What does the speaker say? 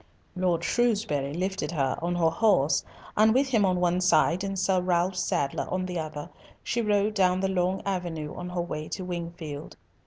Lord Shrewsbury lifted her on her horse, and, with him on one side and Sir Ralf Sadler on the other, she rode down the long avenue on her way to Wingfield.